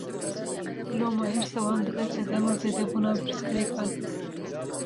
Loma hêrsa wan dibe sedema zêdebûna pirsgirêkan.